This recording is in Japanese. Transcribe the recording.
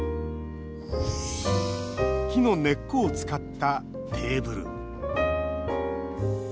木の根っこを使ったテーブル。